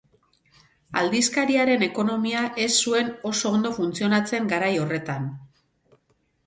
Aldizkariaren ekonomia ez zuen oso ondo funtzionatzen garai horretan.